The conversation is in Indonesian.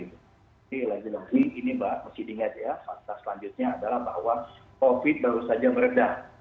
ini lagi lagi ini mbak mesti diingat ya fakta selanjutnya adalah bahwa covid baru saja meredah